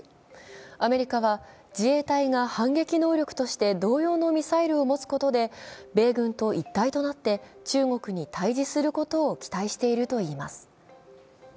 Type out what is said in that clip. アメリカは自衛隊が反撃能力として同様のミサイルを持つことで米軍と一体となって中国に対峙することを期待しているといいます。